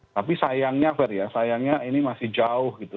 tapi sayangnya fair ya sayangnya ini masih jauh gitu